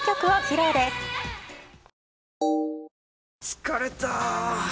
疲れた！